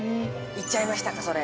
いっちゃいましたかそれ。